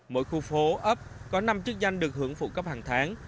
mỗi khu phố ấp có năm chức danh được hưởng phụ cấp hàng tháng